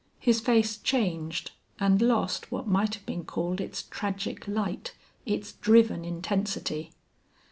His face changed, and lost what might have been called its tragic light, its driven intensity.